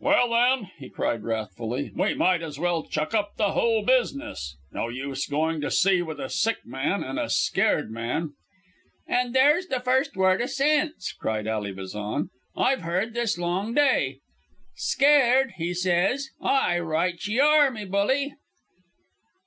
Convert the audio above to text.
"Well, then," he cried wrathfully, "we might as well chuck up the whole business. No use going to sea with a sick man and a scared man." "An' there's the first word o' sense," cried Ally Bazan, "I've heard this long day. 'Scared,' he says; aye, right ye are, me bully."